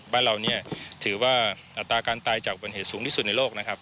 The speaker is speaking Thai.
บ้านเราเนี่ยถือว่าอัตราการตายจากอุบัติเหตุสูงที่สุดในโลกนะครับ